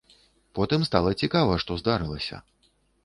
Потым стала цікава, што здарылася.